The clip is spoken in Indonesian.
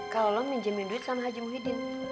kalau lo minjemin duit sampai jatuh gini